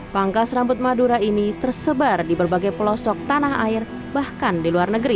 pangkas rambut madura ini tersebar di berbagai pelosok tanah air bahkan di luar negeri